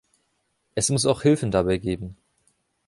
Es muss auch Hilfen dabei geben.